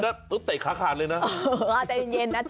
ต้องเตะขาขาดเลยน้อง